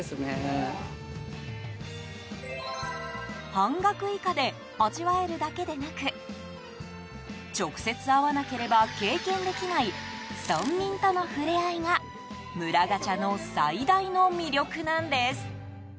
半額以下で味わえるだけでなく直接会わなければ経験できない村民との触れ合いが村ガチャの最大の魅力なんです。